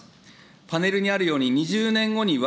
パネルにあるように、２０年後には、